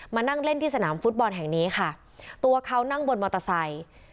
มานั่งเล่นที่สนามฟุตบอลแห่งนี้ค่ะตัวเขานั่งบนมอเตอร์ไซค์